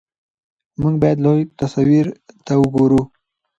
موږ باید لوی تصویر ته وګورو.